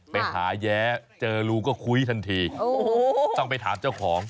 ไปหาแย้เจอรูก็คุยทันทีโอ้โหต้องไปถามเจ้าของ